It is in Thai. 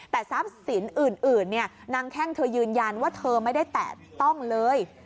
แต่ทรัพย์สินอื่นนางแข้งเธอยืนยันว่าเธอไม่ได้แตะต้องเลย